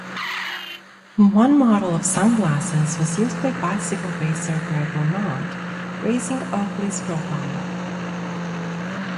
One model of sunglasses was used by bicycle racer Greg LeMond, raising Oakley's profile.